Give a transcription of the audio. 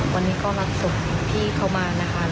วันนี้ก็รับศพพี่เขามานะคะ